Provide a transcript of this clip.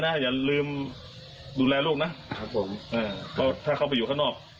เพราะถ้าเขาข้างนอก